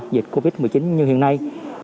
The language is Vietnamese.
dịch covid một mươi chín như hiện nay